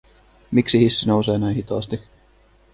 Miksi hissi nousee näin hitaasti?